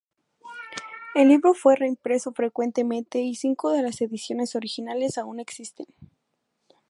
El libro fue reimpreso frecuentemente y cinco de las ediciones originales aún existen.